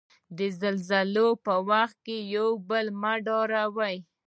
د زلزلې په وخت یو بل مه ډاروی.